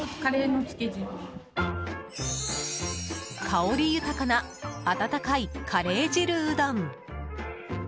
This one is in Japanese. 香り豊かな温かいカレー汁うどん。